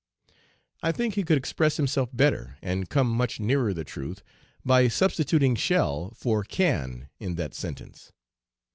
"I think he could express himself better and come much nearer the truth by substituting shall for can in that sentence.